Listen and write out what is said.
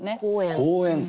「公園」。